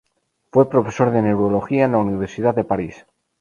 Fue profesor de neurología en la Universidad de París.